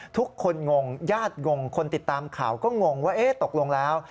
ทุกคนงงญาติงงคนติดตามข่าวก็งงว่าเอ๊ะตกลงแล้ว